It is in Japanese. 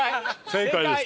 正解です